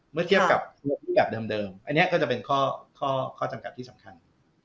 เมื่อเทียบกับเดิมอันนี้ก็จะเป็นข้อจำกัดที่สำคัญ